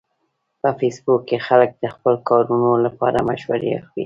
په فېسبوک کې خلک د خپلو کارونو لپاره مشورې اخلي